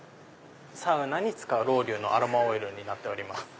サウナに使うロウリュウのアロマオイルになっております。